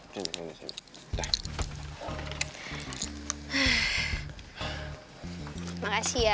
terima kasih ya